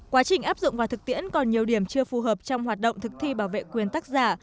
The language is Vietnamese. quá trình áp dụng và thực tiễn còn nhiều điểm chưa phù hợp trong hoạt động thực thi bảo vệ quyền tác giả